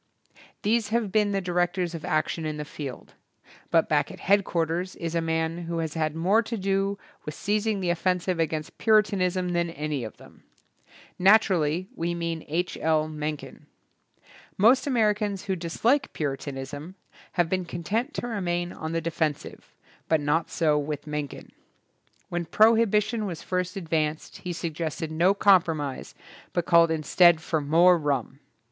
These have been the directors of action in the field, but back at head quarters is a man who has had more to do with seizing the offensive against Puritanism than any of them. Nat urally we mean H. L. Mencken. Most Americans who dislike Puritanism have been content to remain on the de fensive, but not so with Mencken. When prohibition was first advanced he suggested no compromise but called instead for more rum.